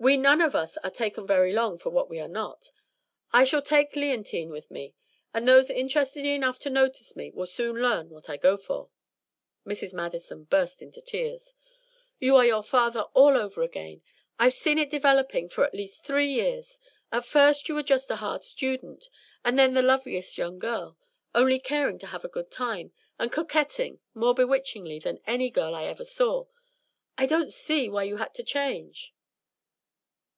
"We none of us are taken very long for what we are not. I shall take Leontine with me, and those interested enough to notice me will soon learn what I go for." Mrs. Madison burst into tears. "You are your father all over again! I've seen it developing for at least three years. At first you were just a hard student, and then the loveliest young girl, only caring to have a good time, and coquetting more bewitchingly than any girl I ever saw. I don't see why you had to change."